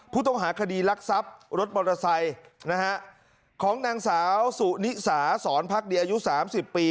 ผู้ต้องหาคดีรักทรัพย์รถมอเตอร์ไซค์นะฮะของนางสาวสุนิสาสอนพักดีอายุ๓๐ปี